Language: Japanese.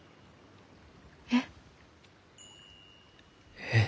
えっ？えっ？